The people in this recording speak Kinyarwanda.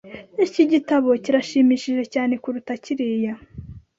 Iki gitabo kirashimishije cyane kuruta kiriya.